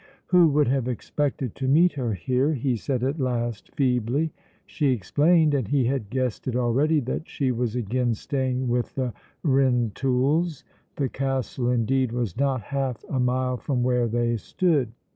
Who would have expected to meet her here? he said at last feebly. She explained, and he had guessed it already, that she was again staying with the Rintouls; the castle, indeed, was not half a mile from where they stood.